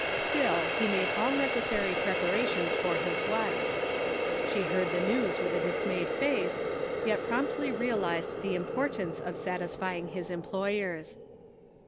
Still he made all necessary prepara tions for his wife. She heard the news with a dismayed face, yet promptly realized the importance of satisfying his employers.